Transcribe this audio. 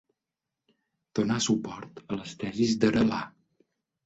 Donar suport a les tesis d'Aralar.